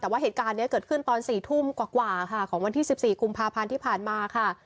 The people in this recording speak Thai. แต่ว่าเหตุการณ์นี้เกิดขึ้นตอน๔ทุ่มกว่าค่ะของวันที่๑๔กุมภาพันธ์ที่ผ่านมาค่ะ